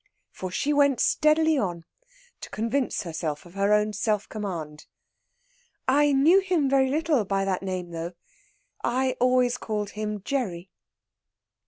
For she went steadily on, to convince herself of her own self command: "I knew him very little by that name, though. I always called him Gerry."